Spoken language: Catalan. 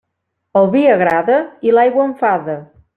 El vi agrada i l'aigua enfada.